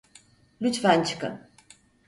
Lütfen çıkın.